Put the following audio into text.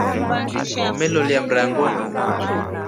Umeloliya mrango.